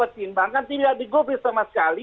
tidak digopil sama sekali